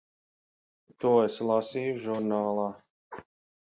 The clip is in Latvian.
To es lasīju žurnālā.